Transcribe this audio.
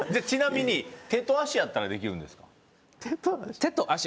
ちなみに手と足やったらできるんですか？